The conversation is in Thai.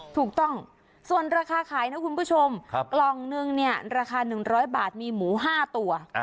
ถูกต้องส่วนราคาขายนะคุณผู้ชมกล่องนึงเนี่ยราคา๑๐๐บาทมีหมู๕ตัว